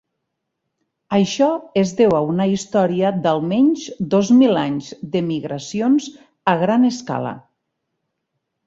Això es deu a una història d'almenys dos mil anys de migracions a gran escala.